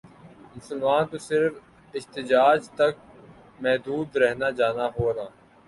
مسلمان تو صرف احتجاج تک محدود رہنا جانا ہونا